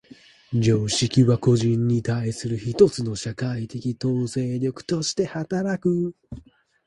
常識は個人に対する一つの社会的統制力として働く。